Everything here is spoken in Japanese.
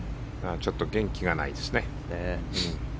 ちょっと元気がないですね。